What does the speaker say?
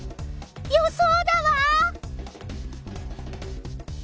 予想だわ！